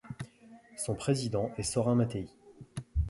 Son président est Sorin Matei.